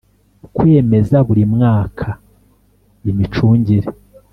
Kwemeza buri mmwaka imicungire